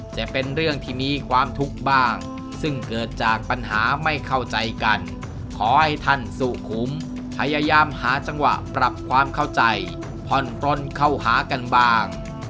แต่เป็นเรื่องที่มีความทุกข์บ้างซึ่งเกิดจากปัญหาไม่เข้าใจกันขอให้ท่านสุขุมพยายามหาจังหวะปรับความเข้าใจผ่อนปล้นเข้าหากันบ้าง